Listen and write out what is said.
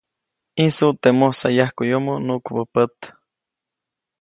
ʼĨjsut teʼ mosayajkuʼyomo nuʼkubä pät.